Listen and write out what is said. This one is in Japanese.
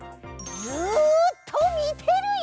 ずっとみてるよ！